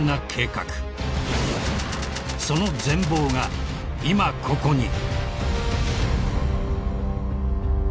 ［その全貌が今ここに］